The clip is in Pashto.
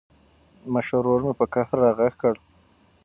مشر ورور مې په قهر راغږ کړ.